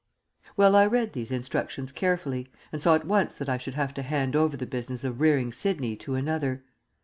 Well, I read these instructions carefully, and saw at once that I should have to hand over the business of rearing Sidney to another.